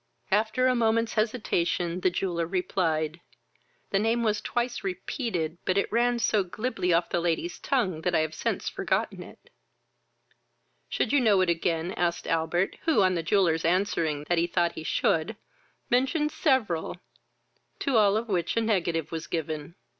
After a moment's hesitation, the jeweller replied, "the name was twice repeated, but it ran so glibly off the lady's tongue, that I have since forgotten it." "Should you know it again?" asked Albert; who, on the jeweller's answering that he thought he should, mentioned several, to all of which a negative was given.